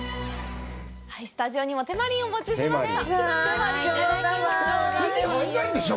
スタジオにも、てまりんをお持ちしました。